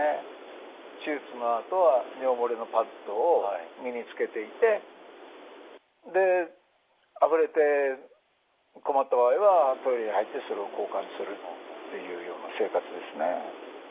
手術のあとは尿漏れのパッドを身につけていてであふれて困った場合はトイレに入ってそれを交換するっていうような生活ですね。